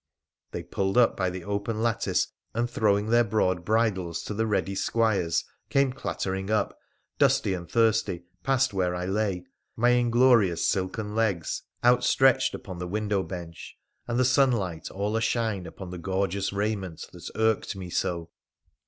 They pulled up by the open lattice, and, throwing their broad bridles to the ready squires, carne clattering up, dusty and thirsty, past where I lay, my inglorious silken legs outstretched upon the window bench, and the sunlight all ashine upon the gorgeous raiment that irked me so.